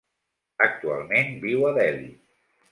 Actualment viu a Delhi.